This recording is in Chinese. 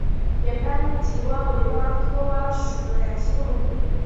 眼斑棘蛙为蛙科蛙属的两栖动物。